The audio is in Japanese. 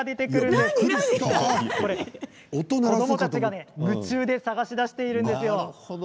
子どもたちが夢中で探しているんですよ。